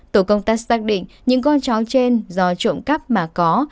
tổ công tác xác định những con chó trên do trộm cắp mà có